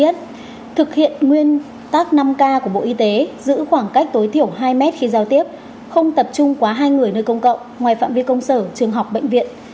thực hiện nguyên tắc năm k của bộ y tế giữ khoảng cách tối thiểu hai mét khi giao tiếp không tập trung quá hai người nơi công cộng ngoài phạm vi công sở trường học bệnh viện